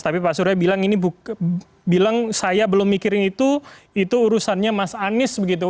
tapi pak surya bilang ini bilang saya belum mikirin itu itu urusannya mas anies begitu